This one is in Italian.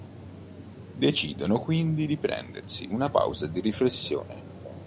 Decidono quindi di prendersi una pausa di riflessione.